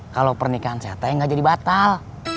kalau pernikahan saya nggak jadi batal